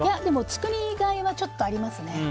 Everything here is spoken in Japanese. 作りがいはちょっとありますね。